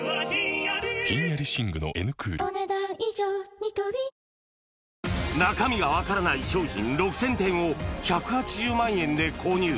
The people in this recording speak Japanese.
ニトリ中身が分からない商品６０００点を１８０万円で購入。